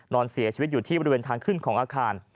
นอนเสียชีวิตอยู่ที่บริเวณทางขึ้นของอาคาร